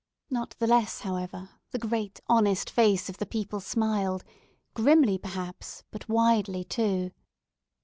Not the less, however, the great, honest face of the people smiled—grimly, perhaps, but widely too.